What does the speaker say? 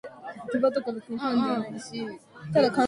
Violations of "pietas" required a "piaculum", expiatory rites.